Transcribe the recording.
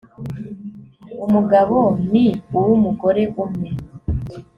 umugabo ni uw’umugore umwe